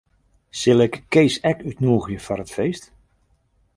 Sil ik Kees ek útnûgje foar it feest?